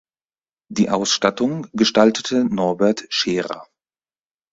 Die Ausstattung gestaltete Norbert Scherer.